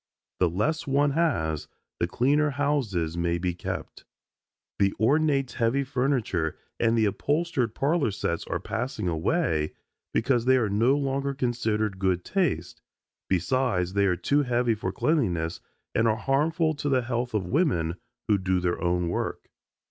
The less one has, the cleaner houses may be kept. The ornate heavy furniture and the upholstered parlor sets are passing away because they are no longer considered good taste, besides they are too heavy for cleanliness and are harmful to the health of women who do their own work.